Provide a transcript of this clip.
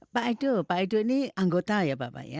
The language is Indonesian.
pak edo pak edo ini anggota ya bapak ya